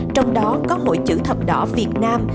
trong đó có hội chữ thập đỏ việt nam